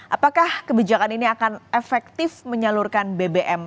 apakah kebijakan ini akan efektif menyalurkan bbm